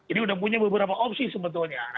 ini sudah punya beberapa opsi sebetulnya